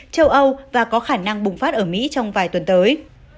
châu âu và có khả năng bùng phát ở mỹ trong vài tuần tới